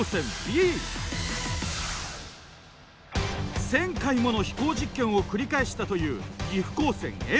１，０００回もの飛行実験を繰り返したという岐阜高専Ａ。